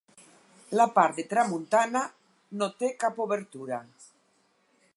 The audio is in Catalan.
La part de tramuntana no té cap obertura.